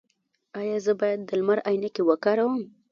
ایا زه باید د لمر عینکې وکاروم؟